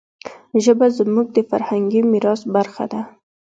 ژبه زموږ د فرهنګي میراث برخه ده.